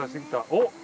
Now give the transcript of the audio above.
おっ！